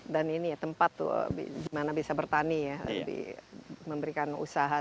dan ini ya tempat gimana bisa bertani ya memberikan usaha